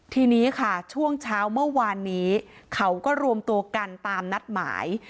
ทีนี้ค่ะช่วงเช้าเมื่อวานนี้เขาก็รวมตัวกันตามนัดหมาย